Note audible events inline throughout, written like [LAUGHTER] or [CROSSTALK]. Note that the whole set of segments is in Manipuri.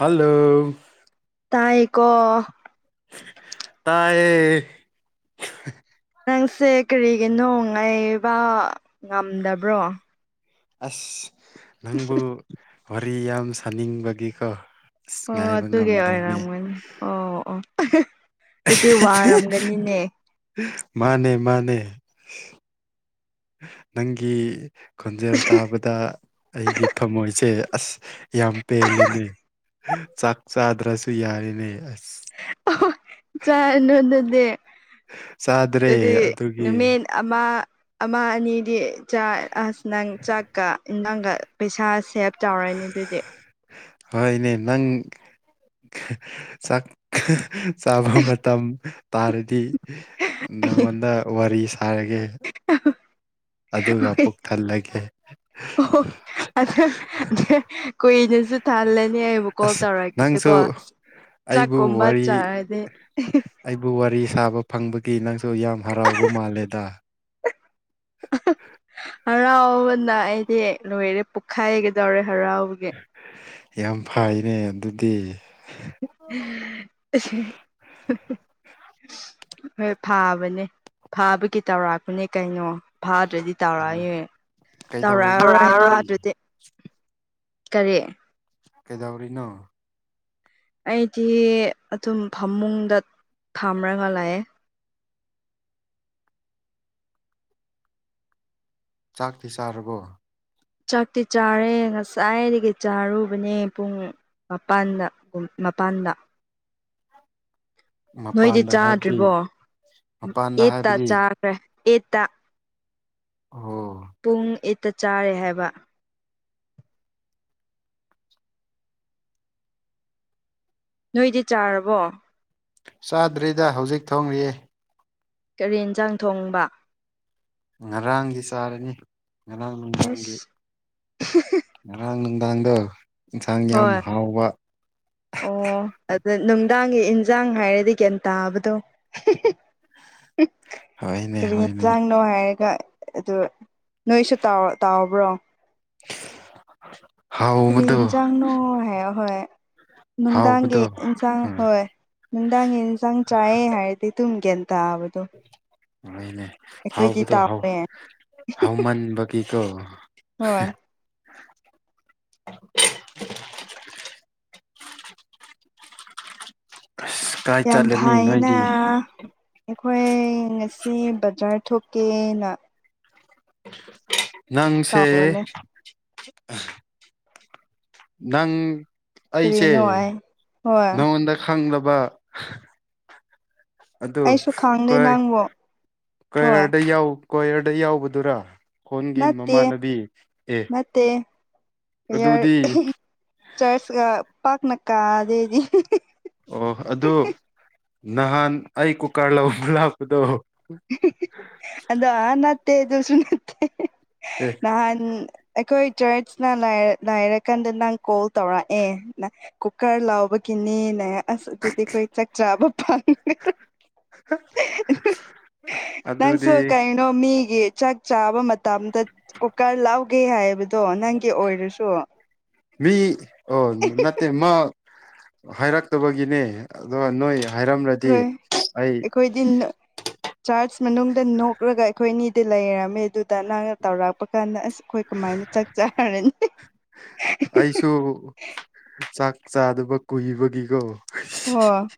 ꯍꯜꯂꯣ ꯇꯥꯏꯀꯣ ꯇꯥꯏꯌꯦ ꯅꯪꯁꯦ ꯀꯔꯤꯒꯤꯅꯣ ꯉꯥꯏꯕ ꯉꯝꯗꯕ꯭ꯔꯣ ꯑꯁ ꯅꯪꯕꯨ ꯋꯥꯔꯤ ꯌꯥꯝ ꯁꯥꯅꯤꯡꯕꯒꯤꯀꯣ ꯑꯁ ꯑꯣ ꯉꯥꯏꯕ ꯑꯗꯨꯒꯤ ꯉꯝꯗ꯭ꯔꯦꯅꯦ ꯑꯣꯏꯔꯝꯒꯅꯤ ꯑꯣ ꯑꯣ ꯑꯗꯨꯗꯤ ꯋꯥꯔꯝꯒꯅꯤꯅꯦ [UNINTELLIGIBLE] ꯃꯥꯅꯦ ꯃꯥꯅꯦ ꯅꯪꯒꯤ ꯈꯣꯟꯖꯦꯜ ꯇꯥꯕꯗ ꯑꯩꯒꯤ ꯊꯝꯃꯣꯏꯁꯦ ꯑꯁ ꯌꯥꯝ ꯄꯦꯜꯂꯦꯅꯦ ꯆꯥꯛ ꯆꯥꯗ꯭ꯔꯁꯨ ꯌꯥꯔꯦꯅꯦ ꯑꯁ ꯑꯍꯣ ꯆꯥꯔꯅꯣ ꯑꯗꯨꯗꯤ ꯆꯥꯗ꯭ꯔꯦ ꯑꯗꯨꯗꯤ ꯑꯗꯨꯒꯤ ꯅꯨꯃꯤꯠ ꯑꯃ ꯑꯃ ꯑꯅꯤꯗꯤ ꯆꯥꯏ ꯑꯁ ꯅꯪ ꯆꯥꯛꯀ ꯏꯟꯖꯥꯡꯒ ꯄꯩꯁꯥ ꯁꯦ ꯍꯣꯏꯅꯦ ꯅꯪ ꯆꯥꯛ ꯆꯥꯕ ꯃꯇꯝ ꯇꯥꯔꯗꯤ ꯅꯪꯉꯣꯟꯗ ꯋꯥꯔꯤ ꯁꯥꯔꯒꯦ ꯑꯗꯨꯒ ꯄꯨꯛ ꯊꯜꯂꯒꯦ ꯑꯣ ꯀꯨꯏꯅꯁꯨ ꯊꯜꯂꯅꯤ ꯑꯩꯕꯨ ꯀꯣꯜ ꯑꯁ ꯇꯧꯔꯛꯀꯦꯀꯣ ꯅꯪꯁꯨ ꯑꯁ ꯑꯩꯕꯨ ꯆꯥꯛꯀꯣꯕ ꯋꯥꯔꯤ ꯆꯥꯔꯗꯤ ꯑꯩꯕꯨ ꯋꯥꯔꯤ ꯁꯥꯕ ꯐꯪꯕꯒꯤ ꯅꯪꯁꯨ ꯌꯥꯝ ꯍꯔꯥꯎꯕ ꯃꯥꯜꯂꯦꯗ [INAUDIBLE] ꯍꯔꯥꯎꯕꯅ ꯑꯩꯗꯤ ꯂꯣꯏꯔꯦ ꯄꯣꯛꯈꯥꯏꯒꯗꯧꯔꯦ ꯍꯔꯥꯎꯕꯒꯤ ꯌꯥꯝ ꯐꯩꯅꯦ ꯑꯗꯨꯗꯤ [UNINTELLIGIBLE] ꯍꯣꯏ ꯐꯥꯕꯅꯦ ꯐꯥꯕꯒꯤ ꯇꯧꯔꯥꯛꯄꯅꯦ ꯀꯩꯅꯣ ꯐꯥꯗ꯭ꯔꯗꯤ ꯇꯧꯔꯛꯑꯌꯦ ꯀꯩꯗꯧꯔꯤꯅꯣ ꯇꯧꯔꯛꯑꯔꯣꯏ ꯐꯥ ꯍꯧꯖꯤꯛꯇꯤ ꯑꯗꯨꯗꯤ ꯀꯔꯤ ꯀꯦꯗꯧꯔꯤꯅꫭ ꯑꯩꯗꯤ ꯑꯗꯨꯝ ꯐꯃꯨꯡꯗ ꯐꯝꯃꯥꯒ ꯂꯥꯛꯑꯦ ꯆꯥꯛꯇꯤ ꯆꯥꯔꯕꯣ ꯆꯥꯛꯇꯤ ꯆꯥꯔꯦ ꯉꯁꯥꯏꯗꯒꯤ ꯆꯥꯔꯨꯕꯅꯦ ꯄꯨꯡ ꯃꯄꯥꯟꯗ ꯃꯄꯥꯟꯗ ꯅꯣꯏꯗꯤ ꯃꯄꯥꯟꯗ ꯍꯥꯏꯕꯗꯤ ꯆꯥꯗ꯭ꯔꯤꯕꯣ ꯃꯄꯥꯟꯗ ꯑꯩꯠꯇ ꯍꯥꯏꯕꯗꯤ ꯆꯥꯈ꯭ꯔꯦ ꯑꯩꯠꯇ ꯑꯣ ꯄꯨꯡ ꯑꯏꯠꯇ ꯆꯥꯔꯦ ꯍꯥꯏꯕ ꯅꯣꯏꯗꯤ ꯆꯥꯔꯕꯣ ꯆꯥꯗ꯭ꯔꯤꯗ ꯍꯧꯖꯤꯛ ꯊꯣꯡꯔꯤꯌꯦ ꯀꯔꯤ ꯌꯦꯟꯁꯥꯡ ꯊꯣꯡꯕ ꯉꯔꯥꯡꯒꯤ ꯆꯥꯔꯅꯤ ꯉꯔꯥꯡ ꯑꯁ ꯅꯍꯥꯟ ꯅꯨꯡꯗꯥꯡꯗꯨ ꯌꯦꯟꯁꯥꯡ ꯌꯥꯝ ꯍꯣꯏ ꯍꯥꯎꯕ ꯑꯣ ꯑꯗꯨ ꯅꯨꯡꯗꯥꯡꯒꯤ ꯏꯟꯖꯥꯡ ꯍꯥꯏꯔꯗꯤ ꯒꯤꯌꯥꯟ ꯇꯥꯕꯗꯣ ꯍꯣꯏꯅꯦ ꯀ ꯍꯣꯏꯅꯦ [UNINTELLIGIBLE] ꯅꯣ ꯍꯥꯏꯔꯒ ꯑꯗꯨ ꯅꯣꯏꯁꯨ ꯇꯥꯎꯕ꯭ꯔꯣ ꯀꯔꯤ ꯍꯥꯎꯕꯗꯣ ꯏꯟꯖꯥꯡꯅꯣ ꯍꯦ ꯍꯣꯏ ꯅꯨꯡꯗꯥꯡꯒꯤ ꯍꯥꯎꯕꯗꯣ ꯏꯟꯁꯥꯡ ꯎꯝ ꯍꯣꯏ ꯅꯨꯡꯗꯥꯡꯒꯤ ꯌꯦꯟꯁꯥꯡ ꯆꯥꯏꯌꯦ ꯍꯥꯏꯔꯗꯤ ꯑꯗꯨꯨꯝ ꯒꯤꯌꯥꯟ ꯇꯥꯕꯗꯣ ꯍꯅꯦ ꯍꯥꯎ ꯑꯩꯈꯣꯏꯗꯤ ꯍꯥꯎ ꯇꯥꯎꯋꯦ ꯍꯋꯥꯃꯥꯟ ꯇ ꯍꯩ ꯐꯁ ꯌꯥꯝ ꯐꯥꯏꯅ ꯑꯩꯈꯣꯏ ꯉꯁꯤ ꯕꯖꯥꯔ ꯊꯣꯛꯀꯦꯅ ꯅꯪꯁꯦ ꯇꯥꯎꯕꯅꯦ ꯅꯪ ꯑꯩꯁꯦ ꯀꯔꯤꯅꯣ ꯑꯩ ꯍꯣꯏ ꯅꯉꯣꯟꯗ ꯈꯪꯗꯕ ꯑꯗꯨ ꯑꯩꯁꯨ ꯈꯪꯗꯦ ꯅꯪꯕꯨ ꯍꯣꯏ ꯀꯌꯔꯗ ꯀꯌꯔꯗ ꯌꯥꯎꯕꯗꯨꯔ ꯅꯠꯇꯦ ꯅꯠꯇꯦ꯫ ꯑꯗꯨꯗꯤ ꯆꯔꯁꯒ ꯄꯥꯛꯅ ꯀꯗꯗꯤ ꯑꯣ ꯑꯗꯨ ꯅꯍꯥꯟ ꯑꯩ ꯀꯨꯀꯥꯔ ꯂꯧꯕꯥ ꯂꯥꯛꯄꯗꯣ ꯑꯗ ꯅꯠꯇꯦꯗꯨꯁꯨ ꯅꯠꯇꯦ ꯑꯦ ꯅꯍꯥꯟ ꯑꯩꯈꯣꯏ ꯆꯔꯠꯁ ꯇꯥ ꯂꯩꯔꯛꯀꯥꯟꯗ ꯅꯪ ꯀꯣꯜ ꯇꯧꯔꯛꯑꯦ ꯀꯨꯀꯔ ꯂꯧꯕꯒꯤꯅꯤꯅꯦ ꯑꯁ ꯑꯗꯨꯗꯤ ꯑꯩꯈꯣꯏ ꯆꯥꯛ ꯆꯥꯕ ꯐꯥꯉꯥꯔꫭꯏ ꯅꯪꯁꯨ ꯑꯗꯨꯗꯤ ꯀꯩꯅꯣ ꯃꯤꯒꯤ ꯆꯥꯛ ꯆꯥꯕ ꯃꯇꯝꯗ ꯀꯨꯀꯔ ꯂꯥꯎꯒꯦ ꯍꯥꯏꯕꯗꯣ ꯅꯪꯒꯤ ꯑꯣꯏꯔꯁꯨ ꯃꯤ ꯑꯣ ꯅꯠꯇꯦ ꯃꯥ ꯍꯥꯏꯔꯛꯇꯕꯒꯤꯅꯦ ꯑꯗꯨꯒ ꯅꯣꯏ ꯍꯥꯏꯔꯝꯂꯗꯤ ꯑꯩ ꯀꯈꯣꯏꯗꯤꯟ ꯆꯥꯔꯖ ꯃꯅꯨꯡꯗ ꯅꯣꯛꯂꯒ ꯑꯩꯈꯣꯏ ꯑꯅꯤꯗꯤ ꯂꯩꯔꯝꯃꯦ ꯑꯗꯨꯗ ꯅꯪꯅ ꯇꯧꯔꯛꯄ ꯀꯥꯟꯗ ꯑꯁ ꯑꯩꯈꯣꯏ ꯀꯃꯥꯏꯅ ꯆꯥꯛ ꯆꯔꯔꯅꯤ ꯑꯩꯁꯨ ꯆꯥꯛ ꯆꯥꯗꯕ ꯀꯨꯏꯕꯒꯤꯀꯣ ꯑꯣ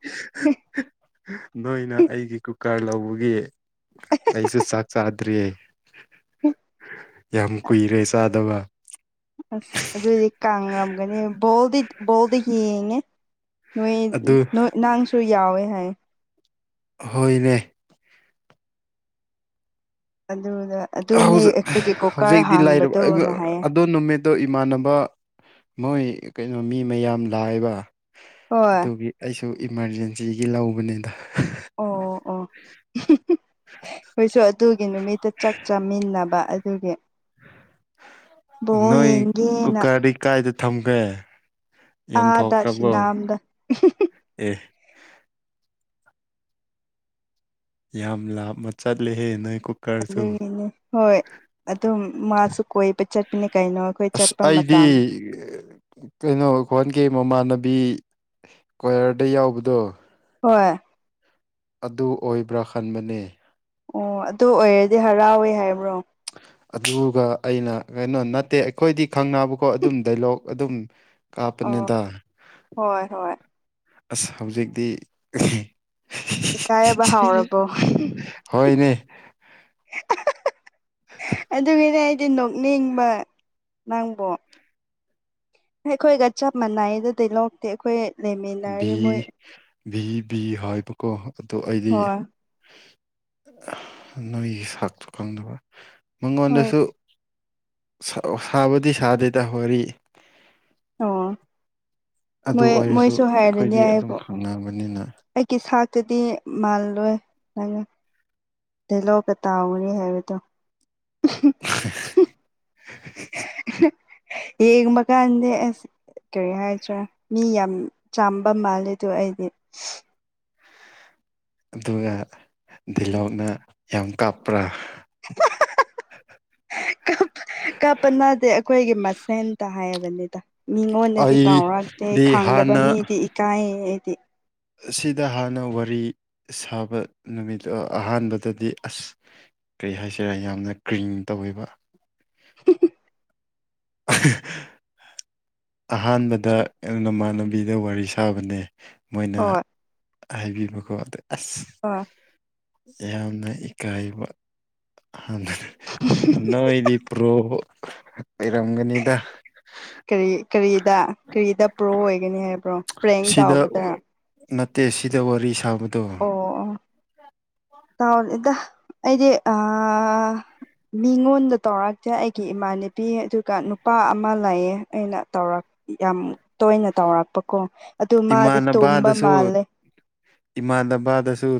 ꯅꯣꯏꯅ ꯑꯩꯒꯤ ꯀꯨꯀꯔ ꯂꯧꯕꯒꯤ ꯀꯩꯁꯨ ꯆꯥꯛ ꯆꯗ꯭ꯔꯤꯌꯦ ꯎꯝ ꯌꯥꯝ ꯀꯨꯏꯔꯦ ꯆꯥꯗꯕ ꯑꯁ ꯑꯗꯨꯏꯗꯤ ꯀꯔꯝꯒꯅꯤ ꯕꯣꯜꯗꯤ ꯕꯣꯜꯗꯤ ꯌꯦꯡꯉꯦ ꯅꯣꯏ ꯑꯗꯨ ꯅꯣꯏ ꯅꯪꯁꯨ ꯌꯥꯎꯋꯦ ꯍꯥꯏ ꯍꯣꯏꯅꯦ ꯑꯗꯨꯗ ꯑꯗꯨꯅꯦ ꯍꯧꯖꯤꯛ ꯑꯩꯈꯣꯏꯒꯤ ꯀꯨꯀꯥꯔ ꯍꯥꯡꯕꯗꯣꯅ ꯍꯥꯏꯌꯦ ꯑ ꯅꯨꯃꯤꯠꯇꯣ ꯏꯃꯥꯟꯅꯕ ꯃꯣꯏ ꯀꯩꯅꯣ ꯃꯤ ꯃꯌꯥꯝ ꯂꯥꯏꯕ ꯍꯣꯏ ꯑꯗꯨꯒꯤ ꯑꯩꯁꯨ ꯏꯃꯥꯔꯖꯦꯟꯁꯤꯒꯤ ꯂꯧꯕꯅꯦꯗ ꯑꯣ ꯑꯣ ꯍꯣꯏꯁ ꯑꯗꯨꯒꯤ ꯅꯨꯃꯤꯠꯇ ꯆꯥꯛ ꯆꯥꯃꯤꯟꯅꯕ ꯑꯗꯨꯒꯤ ꯕꯣꯜ ꯅꯣꯏ ꯌꯦꯡꯒꯦꯅ ꯀꯨꯛꯀꯥꯔꯗꯤ ꯀꯥꯏꯗ ꯊꯝꯒꯦ ꯑꯥꯗ ꯌꯣꯟꯊꯣꯛꯈ꯭ꯔꯕꯣ ꯁꯤꯅꯥꯝꯗ ꯑꯦ ꯌꯥꯝ ꯂꯥꯞꯃ ꯆꯠꯂꯦꯍꯦ ꯅꯣꯏ ꯀꯨ ꯑꯗꯨꯅꯤ ꯍꯣꯏ ꯑꯗꯨꯝ ꯃꯥꯁꯨ ꯀꯣꯏꯕ ꯆꯠꯄꯅꯤ ꯀꯩꯅꯣ ꯑꯩꯈꯣꯏ ꯆꯠꯄ ꯑꯗꯨꯗꯤ ꯃꯇꯝ ꯀꯩꯅꯣ ꯑꯩꯈꯣꯟꯒꯤ ꯃꯃꯥꯟꯅꯕꯤ ꯀ꯭ꯌꯔꯗ ꯌꯥꯎꯕꯗꯣ ꯍꯣꯏ ꯑꯗꯨ ꯑꯣꯏꯕ꯭ꯔꯥ ꯈꯟꯕꯅꯦ ꯑꯣ ꯑꯗꯨ ꯑꯣꯏꯔꯗꯤ ꯍꯔꯥꯎꯋꯦ ꯍꯥꯏꯕ꯭ꯔꯣ ꯑꯗꯨꯒ ꯑꯩꯅ ꯀꯩꯅꯣ ꯅꯠꯇꯦ ꯑꯩꯈꯣꯏꯗꯤ ꯈꯪꯅꯕꯀꯣ ꯑꯗꯨꯝ ꯗꯥꯏꯂꯣꯛ ꯑꯗꯨꯝ ꯑꯣ ꯀꯥꯞꯄꯅꯤꯗ ꯍꯣꯏ ꯍꯣꯏ ꯑꯁ ꯍꯧꯖꯤꯛꯇꯤ ꯏꯀꯥꯏꯕ ꯍꯥꯎꯔꯕꯣ ꯍꯣꯏ ꯅꯦ ꯑꯗꯨꯒꯤꯗꯤ ꯑꯩꯗꯤ ꯅꯣꯛꯅꯤꯡꯕ ꯅꯪꯕꯣ ꯑꯩꯈꯣꯏꯒ ꯆꯞ ꯃꯥꯟꯅꯏꯗꯗꯤ ꯂꯧꯛꯇꯦ ꯑꯩꯈꯣꯏ ꯚꯤ ꯂꯩꯃꯤꯟꯅꯔꯤ ꯃꯣꯏ ꯚꯤ ꯚ ꯍꯥꯏꯕꯀꯣ ꯑꯗꯨ ꯑꯩꯗꯤ ꯍꯣꯏ ꯅꯣꯏꯒꯤ ꯁꯥꯛꯇꯣ ꯈꯪꯗꯕ ꯍꯣꯏ ꯃꯉꯣꯟꯗꯁꯨ ꯁꯥꯕꯨꯗꯤ ꯁꯥꯗꯦꯗ ꯋꯥꯔꯤ ꯑꯣ ꯑꯗꯨ ꯃꯣꯏ ꯑꯣꯏꯔꯁꯨ ꯃꯣꯏꯁꯨ ꯍꯥꯏꯔꯅꯤ ꯑꯩꯈꯣꯏꯗꯤ ꯑꯗꯨꯝ ꯑꯩꯕꯨ ꯈꯪꯅꯕꯅꯤꯅ ꯑꯩꯒꯤ ꯁꯥꯛꯇꯗꯤ ꯃꯥꯜꯂꯣꯏ ꯅꯪꯅ ꯇꯂꯣ ꯀ ꯇꯥꯎꯅꯤ ꯍꯥꯏꯕꯗꯣ ꯌꯦꯡꯕꯈꯥꯛꯗꯦ ꯑꯁ ꯀꯔꯤ ꯍꯥꯏꯗ꯭ꯔꯥ ꯃꯤ ꯌꯥꯝ ꯆꯥꯝꯕ ꯃꯥꯜꯂꯦꯗ ꯑꯩꯗꯤ ꯑꯗꯨꯒ ꯗꯤꯜꯍꯧꯅ ꯌꯥꯝ ꯀꯥꯞꯄ꯭ꯔꯥ [UNINTELLIGIBLE] ꯀꯞꯄ ꯅꯥꯗꯦ ꯑꯩꯈꯣꯏꯒꯤ ꯃꯁꯦꯟꯇ ꯍꯥꯏꯕꯅꯤꯗ ꯃꯤꯉꯣꯟꯗꯗꯤ ꯇꯥꯎꯔꯛꯇꯦ ꯑꯩꯗꯤ ꯈꯪꯗꯕ ꯍꯥꯟꯅ ꯃꯤꯗꯤ ꯏꯀꯥꯏ ꯍꯥꯏꯗꯤ ꯑꯁꯤꯗ ꯍꯥꯟꯅ ꯋꯥꯔꯤ ꯁꯥꯕ ꯅꯨꯃꯤꯠꯇꯣ ꯑꯍꯥꯟꯕꯗꯗꯤ ꯑꯁ ꯀꯔꯤ ꯍꯥꯏꯁꯤꯔꯥ ꯌꯥꯝꯅ ꯀ꯭ꯔꯤꯡ ꯇꯧꯋꯕ [INAUDIBLE] ꯑ [UNINTELLIGIBLE] ꯑꯍꯥꯟꯕꯗ ꯅꯃꯥꯟ ꯂꯝꯕꯤꯗ ꯋꯥꯔꯤ ꯁꯥꯕꯅꯦ ꯃꯣꯏꯅ ꯍꯣꯏ [UNINTELLIGIBLE] ꯑꯁ ꯍꯣꯏ ꯌꯥꯝꯅ ꯏꯀꯥꯏꯕ ꯅꯣꯏꯗꯤ ꯄ꯭ꯔꯣ ꯂꯩꯔꯝꯒꯅꯤꯗ ꯀꯔꯤ ꯀꯔꯤꯗ ꯀꯔꯤꯗ ꯄ꯭ꯔꯣ ꯑꯣꯏꯒꯅꯤ ꯍꯥꯏꯕ꯭ꯔꯣ ꯄ꯭ꯔꯦꯡ ꯁꯤꯗ ꯇꯥꯎꯕꯗ ꯅꯠꯇꯦ ꯁꯤꯗ ꯋꯥꯔꯤ ꯁꯥꯕꯗꯣ ꯑꯣ ꯑꯣ ꯇꯥꯎꯔꯦꯗ ꯑꯩꯗꯤ ꯑ ꯃꯤꯉꯣꯟꯗ ꯇꯧꯔꯛꯁꯦ ꯑꯩꯒꯤ ꯏꯃꯥꯅꯄꯤ ꯑꯗꯨꯒ ꯅꯨꯄꯥ ꯑꯃ ꯂꯩꯌꯦ ꯑꯩꯅ ꯇꯧꯔꯛꯦ ꯌꯥꯝ ꯇꯣꯏꯅ ꯇꯧꯔꯛꯄꯀꯣ ꯑꯗꯨ ꯃꯥꯗꯤ ꯇꯨꯝꯕ ꯏꯃꯥꯟꯅꯕꯗꯁꯨ ꯃꯥꯜꯂꯦ ꯏꯃꯥꯟꯅꯕꯗꯁꯨ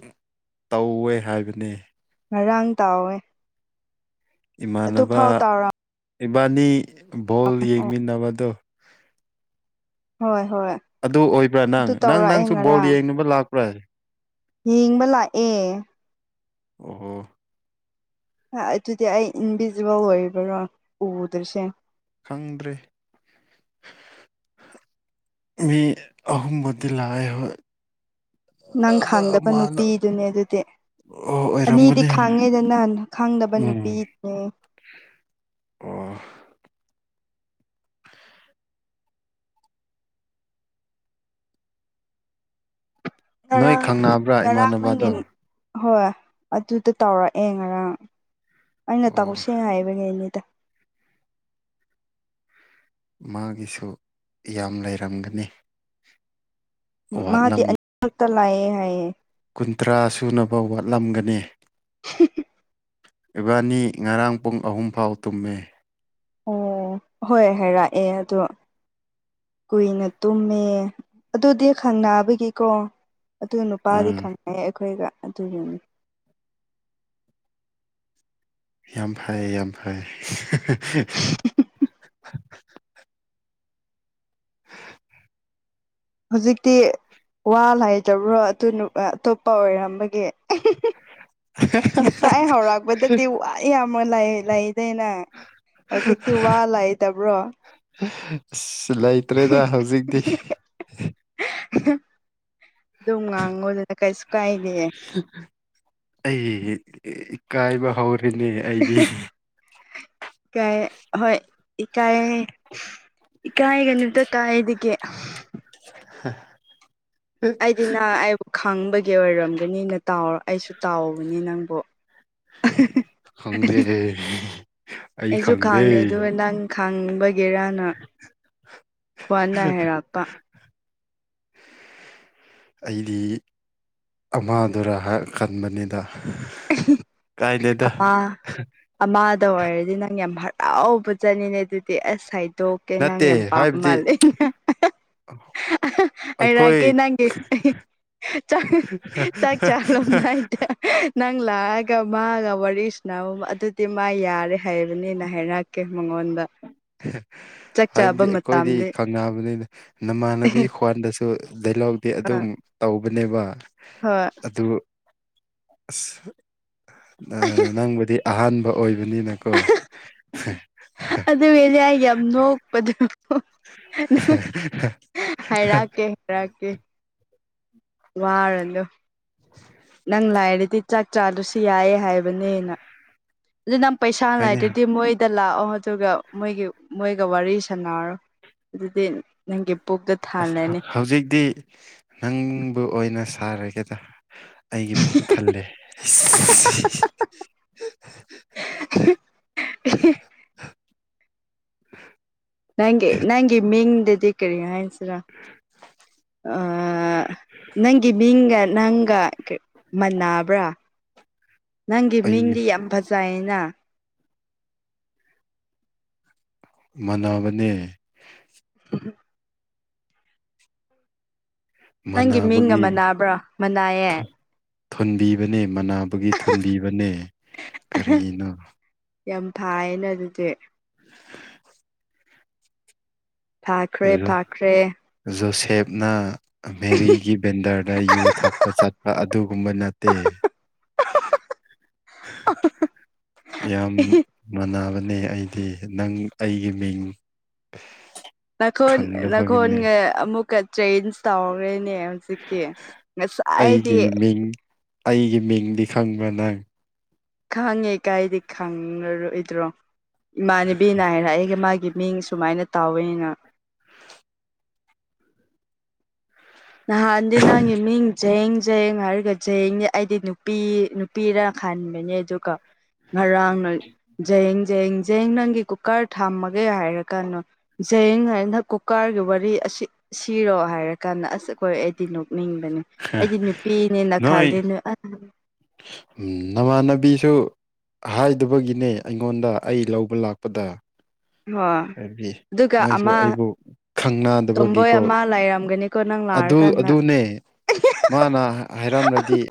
ꯇꯧꯋꯦ ꯍꯥꯏꯕꯅꯦ ꯉꯔꯥꯡ ꯇꯥꯎꯋꯦ ꯏꯃꯥꯟꯅꯕ ꯑꯗꯨꯐꯥꯎ ꯇꯥꯎꯔ ꯏꯕꯥꯅꯤ ꯕꯣꯜ ꯌꯦꯡꯃꯤꯟꯅꯕꯗꯣ ꯍꯣꯏ ꯍꯣꯏ ꯑꯗꯨ ꯑꯣꯏꯕ꯭ꯔꯥ ꯅꯪ ꯑꯗꯨ ꯅꯪ ꯇꯧꯔꯛꯑꯦ ꯅꯪꯁꯨ ꯕꯣꯜ ꯉꯔꯥꯡ ꯌꯦꯡꯅꯕ ꯂꯥꯛꯄ꯭ꯔꯥ ꯌꯦꯡꯕ ꯂꯥꯛꯑꯦ ꯑꯣꯍꯣ ꯑꯗꯨꯗꯤ ꯑꯩ ꯏꯟꯚꯤꯖꯤꯕꯜ ꯑꯣꯏꯕꯔꯣ ꯎꯗꯣꯏꯔꯤꯁꯦ ꯈꯪꯗ꯭ꯔꯦ ꯃꯤ ꯑꯍꯨꯝꯕꯨꯗꯤ ꯂꯥꯛꯑꯦ ꯍꯣꯏ ꯅꯪ ꯑꯗ ꯈꯥꯡꯗꯕ ꯃꯥꯅ ꯅꯨꯄꯤꯗꯨꯅꯦ ꯑꯗꯨꯗꯤ ꯑꯣ ꯑꯅꯤꯗꯤ ꯑꯣꯏꯔꯝꯒꯅꯤ ꯍꯣꯏ ꯈꯥꯡꯉꯦꯗꯅ ꯈꯥꯡꯗꯕ ꯎꯝ ꯅꯨꯄꯤꯅꯦ ꯑꯣ ꯅꯣꯏ ꯉꯔꯥꯡ ꯈꯪꯅꯕ꯭ꯔꯥ ꯉꯔꯥꯡ ꯏꯃꯥꯟꯅꯕꯗꯣ ꯅꯪꯒꯤꯟ ꯍꯣꯏ ꯑꯗꯨꯗ ꯇꯧꯔꯛꯑꯦ ꯉꯔꯥꯡ ꯑꯩꯅ ꯑꯣ ꯇꯧꯁꯦ ꯍꯥꯏꯕꯉꯅꯤꯗ ꯃꯥꯒꯤꯁꯨ ꯌꯥꯝ ꯂꯩꯔꯝꯒꯅꯤ ꯃꯥꯗꯤ ꯋꯥꯠꯂꯝ ꯑꯅꯤꯈꯛꯇ ꯂꯥꯛꯑꯦ ꯍꯥꯏꯌꯦ ꯀꯨꯟꯊ꯭ꯔꯥ ꯁꯨꯅꯕ ꯋꯥꯠꯂꯝꯒꯅꯤ ꯎ [INAUDIBLE] ꯏꯕꯥꯅꯤ ꯉꯔꯥꯡ ꯄꯨꯡ ꯑꯍꯨꯝꯐꯥꯎ ꯇꯨꯝꯃꯦ ꯑꯣ ꯍꯣꯏ ꯍꯥꯏꯔꯥꯛꯑꯦ ꯑꯗꯣ ꯀꯨꯏꯅ ꯇꯨꯝꯃꯦ ꯑꯗꯨꯗꯤ ꯈꯪꯅꯕꯒꯤꯀꯣ ꯑꯗꯨ ꯅꯨꯄꯥꯗꯤ ꯑꯥ ꯈꯪꯉꯩꯦ ꯑꯩꯈꯣꯏꯒ ꯑꯗꯨꯒꯤꯅꯤ ꯌꯥꯝ ꯐꯩ ꯌꯥꯝ ꯐꯩ [UNINTELLIGIBLE] ꯍꯧꯖꯤꯛꯇꯤ ꯋꯥ ꯂꯩꯥꯏꯇꯕ꯭ꯔꯣ ꯑꯗꯨ ꯑꯇꯣꯞꯄ ꯑꯣꯏꯔꯝꯕꯒꯦ ꯉꯁꯥꯏ ꯍꯧꯔꯛꯄꯗꯗꯤ ꯑꯩꯌꯥꯝꯕ ꯂꯩꯗꯅꯦ ꯍꯧꯖꯤꯛꯇꯤ ꯋꯥ ꯂꯩꯇꯕ꯭ꯔꯣ ꯁꯤꯂꯥꯏ [INAUDIBLE] ꯑꯗꯨꯝ ꯉꯥꯡꯒꯣꯗꯨꯅ ꯀꯩꯁꯨ ꯀꯥꯏꯅꯦꯌꯦ ꯑꯩ ꯏꯀꯥꯏꯕ ꯍꯧꯔꯤꯅꯦ ꯑꯩꯗꯤ ꯀꯥꯏ ꯍꯣꯏ ꯏꯀꯥꯏꯔꯦ ꯏꯀꯥꯏꯒꯅꯤꯇ ꯀꯥꯏꯒꯦ ꯍꯥ ꯑꯩꯗꯤ ꯅ ꯑꯩꯕꯨ ꯈꯪꯕꯒꯤ ꯑꯣꯏꯔꯝꯒꯅꯤꯅ ꯇꯥꯎꯔ ꯑꯩꯁꯨ ꯇꯥꯎꯕꯅꯤ ꯅꯪꯕꯨ ꯏꯁ ꯑꯩꯁꯨ ꯈꯥꯡꯅꯦ ꯑꯗꯨ ꯅꯪ ꯈꯥꯡꯕꯒꯦꯔꯥꯅ ꯈ꯭ꯋꯥꯅꯥ ꯍꯔꯥꯛꯄ [INAUDIBLE] ꯑꯩꯗꯤ ꯑꯃꯥꯗꯨꯔ ꯈꯟꯕꯅꯤꯗ ꯀꯥꯏꯗꯦꯗ ꯑꯄꯥ ꯑꯃꯗ ꯑꯣꯏꯔꯗꯤ ꯅꯪ ꯌꯥꯝ ꯍꯔꯥꯎꯕ ꯆꯠꯂꯤꯅꯦ ꯑꯗꯨꯗꯤ ꯑꯁ ꯁꯥꯏꯗ ꯇꯣꯛꯀꯦ ꯅꯪ ꯅꯠꯇꯦ ꯌꯥꯝ ꯄꯥꯝꯕ ꯍꯥꯏꯕꯗꯤ ꯃꯥꯜꯂꯦ ꯑꯩꯈꯣꯏ ꯑꯩꯔꯒꯦ ꯅꯪꯦ ꯆꯥꯛ ꯆꯥꯛ ꯆꯥꯂꯣꯅꯏꯇ ꯅꯪ ꯂꯥꯛꯑꯒ ꯃꯥꯒ ꯋꯥꯔꯤꯁꯤꯅ ꯑꯗꯨꯗꯤ ꯃꯥ ꯌꯥꯔꯦ ꯍꯥꯏꯕꯅꯤꯅ ꯍꯥꯏꯔꯛꯀꯦ ꯃꯉꯣꯟꯗ ꯆꯥꯛ ꯆꯥꯕ ꯍꯥꯏꯕꯗꯤ ꯑꯩꯈꯣꯏꯗꯤ ꯃꯇꯝꯗꯤ ꯈꯪꯅꯕꯅꯤꯅ ꯅꯃꯥꯟꯅꯕꯤ ꯈꯣꯟꯗꯁꯨ ꯑꯗꯨ ꯗꯥꯏꯂꯣꯛꯇꯤ ꯑ ꯑꯗꯨꯝ ꯇꯧꯕꯅꯦꯕ ꯍꯣꯏ ꯑꯗꯨ ꯑꯁ ꯅꯪꯕꯨꯗꯤ ꯑꯍꯥꯟꯕ ꯑꯣꯏꯕꯅꯤꯅꯀꯣ ꯑꯗꯨꯒꯤꯅꯦ ꯑꯩ ꯌꯥꯝ ꯅꯣꯛꯄꯗ ꯍꯥꯏꯔꯛꯀꯦ [UNINTELLIGIBLE] ꯋꯥꯔ ꯑꯗꯨ [INAUDIBLE] ꯅꯪ ꯂꯥꯏꯔꯗꯤ ꯆꯥꯛ ꯆꯥꯗꯔꯥꯁꯨ ꯌꯥꯏꯌꯦ ꯍꯥꯏꯕꯅꯦꯅ ꯑꯗꯨ ꯅꯝ ꯍꯥꯏꯅꯦ ꯄꯩꯁꯥꯅꯏꯗ꯭ꯔꯗꯤ ꯃꯣꯏ ꯇ ꯂꯥꯛꯑꯣ ꯑꯗꯨꯒ ꯃꯣꯏꯒꯤ ꯃꯣꯏꯒ ꯋꯥꯔꯤ ꯁꯥꯟꯅꯔꯣ ꯑꯗꯨꯗꯤ ꯅꯪ ꯄꯨꯛꯇ ꯊꯝ ꯑꯁ ꯍꯧꯖꯤꯛꯇꯤ ꯅꯪꯕꯨ ꯑꯣꯏꯅ ꯁꯥꯔꯒꯦꯗꯥ ꯑꯩꯒꯤ ꯄꯨꯛ ꯊꯜꯂꯦ ꯍꯤ ꯅꯪꯒꯤ ꯅꯪꯒꯤ ꯃꯤꯡꯗꯗꯤ ꯀꯔꯤꯅꯣ ꯍꯥꯏꯁ ꯑ ꯅꯪꯒꯤ ꯃꯤꯡꯒ ꯅꯪꯒ ꯅꯥꯕ꯭ꯔꯥ ꯅꯪꯒꯤ ꯑꯩꯒꯤ ꯃꯤꯡꯗꯤ ꯌꯥꯝ ꯐꯖꯌꯦꯅ ꯃꯥꯟꯅꯕꯅꯦ ꯎ ꯅꯪꯒꯤ ꯃꯤꯡꯒ ꯃꯥꯟꯅꯕꯒꯤ ꯃꯅꯥꯕ꯭ꯔꯣ ꯃꯅꯩꯌꯦ ꯊꯣꯟꯕꯤꯕꯅꯦ ꯃꯅꯥꯕꯒꯤ ꯊꯣꯟꯕꯤꯕꯅꯦ ꯀꯔꯤꯅꯣ ꯌꯥꯝ ꯐꯩꯏꯅ ꯑꯗꯨꯗꯤ ꯐꯥꯈ꯭ꯔꯦ ꯐꯥꯈ꯭ꯔꯦ ꯖꯣꯁꯦꯞ ꯅꯥ ꯃꯦꯔꯤꯒꯤ ꯕꯦꯟꯗꯔꯗ ꯌꯨ ꯊꯛꯄ ꯆꯠꯄ ꯑꯗꯨꯒꯨꯝꯕ ꯅꯠꯇꯦ ꯌꯥꯝ ꯃꯅꯕꯅꯦ ꯑꯩꯗꯤ ꯅꯪ ꯑꯩꯒꯤ ꯃꯤꯡ ꯅꯈꯣꯟ ꯈꯪꯗꯕꯒꯤꯅꯦ ꯅꯈꯣꯟꯒ ꯑꯃꯨꯛꯀ ꯆꯦꯟꯖ ꯇꯧꯈ꯭ꯔꯦꯅꯦ ꯁꯤꯛꯇ ꯉꯁꯥꯏꯥꯏꯗꯤ ꯑꯩꯒꯤ ꯃꯤꯡ ꯑꯩꯒꯤ ꯃꯤꯡꯗꯤ ꯈꯪꯕ ꯅꯪ ꯈꯪꯉꯦ ꯀꯥꯏꯗꯤ ꯈꯪꯉꯔꯣꯏꯗ꯭ꯔꯣ ꯏꯃꯥꯟꯅꯕꯤꯅꯅꯥ ꯍꯥꯏꯔꯛꯑꯒ ꯃꯥꯒꯤ ꯃꯤꯡ ꯁꯨꯃꯥꯏꯅ ꯇꯧꯋꯅ ꯅꯥꯍꯟꯗꯤ ꯅꯪꯒꯤ ꯃꯤꯡ ꯖꯦꯡ ꯌꯦꯡ ꯍꯥꯏꯔꯒ ꯖꯌꯦꯡꯅꯦ ꯑꯩꯗꯤ ꯅꯨꯄꯤ ꯅꯨꯄꯤꯔ ꯈꯟꯕꯅꯦ ꯑꯗꯨꯒ ꯉꯔꯥꯡ ꯅꯣꯏ ꯌꯦꯡ ꯌꯦꯡ ꯖꯌꯦꯡ ꯅꯪꯒꯤ ꯀꯨꯀꯔ ꯊꯝꯃꯒꯦ ꯍꯥꯏꯔ ꯀꯥꯟꯗꯣ ꯖꯌꯦꯡ ꯍꯥꯏꯅ ꯀꯨꯀꯥꯔꯒꯤ ꯋꯥꯔꯤ ꯑꯁꯤ ꯁꯤꯔꯣ ꯍꯥꯏꯔ ꯀꯥꯟꯗ ꯑꯁ ꯍꯈꯣꯏ ꯑꯩꯗꯤ ꯅꯣꯛꯅꯤꯡꯕꯅꯦ ꯑꯩꯗꯤ ꯅꯨꯄꯤꯅꯦꯅ ꯈꯜꯂꯦ ꯅꯣꯏ ꯎꯝ ꯅꯃꯥꯟꯅꯕꯤꯁꯨ ꯍꯥꯏꯗꯕꯒꯤꯅꯦ ꯑꯩꯉꯣꯟꯗ ꯑꯩ ꯂꯧꯕ ꯂꯥꯛꯄꯗ ꯍꯣꯏ ꯍꯥꯏꯗꯤ ꯑꯗꯨꯒ ꯃꯣꯏꯁꯨ ꯑꯃ ꯑꯩꯕꯨ ꯈꯪꯅ ꯇꯣꯝꯕꯣꯏ ꯗꯕꯒꯤꯀꯣ ꯑꯃ ꯂꯩꯔꯝꯒꯅꯤꯀꯣ ꯅꯪ ꯑꯗꯨ ꯂꯥꯛꯔꯀꯥꯟꯗ ꯑꯗꯨꯅꯦ ꯃꯥꯅ ꯍꯥꯏꯔꯝꯂꯗꯤ